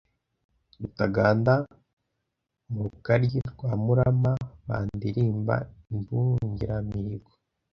Rutaganda mu Rukaryi rwa Murama Bandilimba imbungiramihigo.